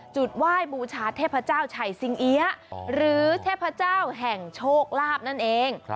จุดไหว้บูชาเทพเจ้าชัยสิงเอี๊ยะหรือเทพเจ้าแห่งโชคลาภนั่นเอง